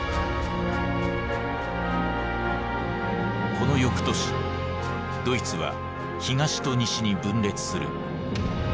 この翌年ドイツは東と西に分裂する。